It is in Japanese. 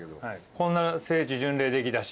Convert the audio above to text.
こんな聖地巡礼できたし。